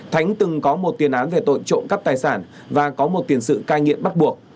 thánh từng có một tiền án về tội trộm cắp tài sản và có một tiền sự cai nghiện bắt buộc